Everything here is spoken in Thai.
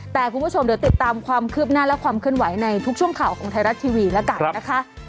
แต่คุณผู้ชมเดี๋ยวติดตามความคืบหน้าและความเคลื่อนไหวในทุกช่วงข่าวของไทยรัฐทีวีแล้วกันนะคะ